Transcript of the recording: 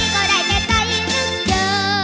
ก็ได้ในใจนึงเจอ